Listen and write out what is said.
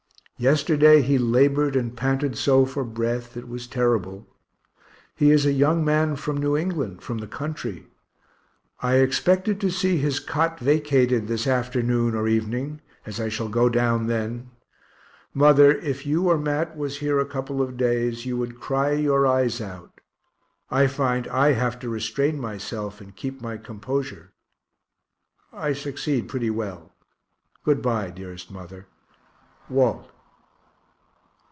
Yesterday he labored and panted so for breath, it was terrible. He is a young man from New England, from the country. I expected to see his cot vacated this afternoon or evening, as I shall go down then. Mother, if you or Mat was here a couple of days, you would cry your eyes out. I find I have to restrain myself and keep my composure I succeed pretty well. Good bye, dearest mother. WALT.